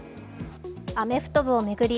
アメフト部を巡り